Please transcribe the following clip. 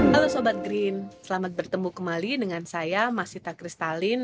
halo sobat green selamat bertemu kembali dengan saya mas sita kristalin